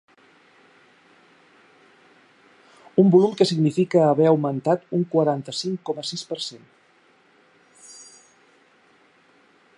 Un volum que significa haver augmentat un quaranta-cinc coma sis per cent.